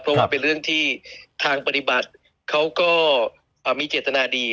เพราะว่าเป็นเรื่องที่ทางปฏิบัติเขาก็มีเจตนาดี